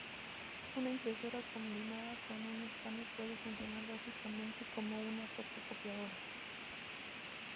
Una impresora combinada con un escáner puede funcionar básicamente como una fotocopiadora.